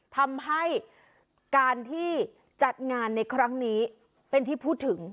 ทำให้การที่จัดงานในครั้งนี้เป็นที่พูดถึง